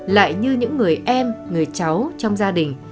lại như những người em người cháu trong gia đình